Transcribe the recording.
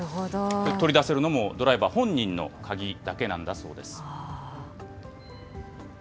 取り出せるのも、ドライバー本人の鍵だけなんだそうです。